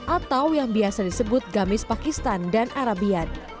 atau yang biasa disebut gamis pakistan dan arabian